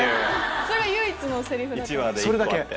それは唯一のセリフだった？